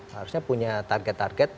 harusnya punya target target